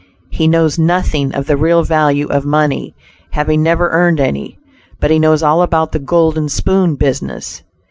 He knows nothing of the real value of money, having never earned any; but he knows all about the "golden spoon" business.